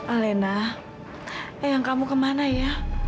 alena eh kamu kemana ya